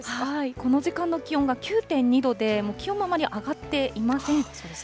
この時間の気温が９．２度で、気温もあまり上がっていません。